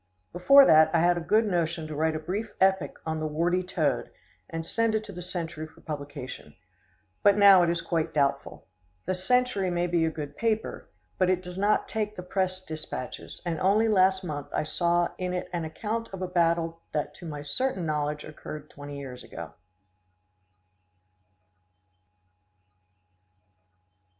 Before that I had a good notion to write a brief epic on the "Warty Toad," and send it to The Century for publication, but now it is quite doubtful. The Century may be a good paper, but it does not take the press dispatches, and only last month I saw in it an account of a battle that to my certain knowledge occurred twenty years ago.